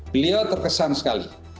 beliau terkesan sekali